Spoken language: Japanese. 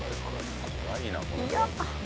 怖いなこれ。